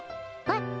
えっ？